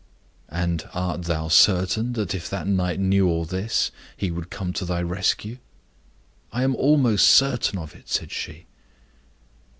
"And art thou certain that if that knight knew all this, he would come to thy rescue?" "I am most certain of it," said she.